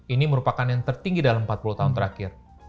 ini merupakan yang tertinggi dalam empat puluh tahun terakhir